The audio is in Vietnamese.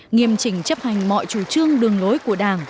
nghiêm chỉnh chấp hành mọi chủ trương đường lối của đảng